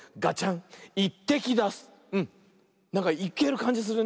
なんかいけるかんじするね。